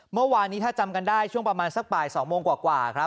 เมื่อวานนี้ถ้าจำกันได้ช่วงประมาณสักบ่าย๒โมงกว่าครับ